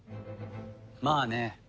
まあね。